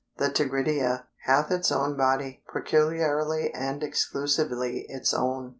The tigridia hath "its own body," peculiarly and exclusively its own.